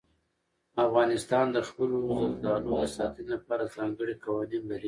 افغانستان د خپلو زردالو د ساتنې لپاره ځانګړي قوانین لري.